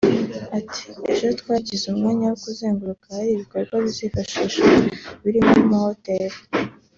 Ati ‘‘Ejo twagize umwanya wo kuzenguruka ahari ibikorwa bizifashishwa birimo amahoteli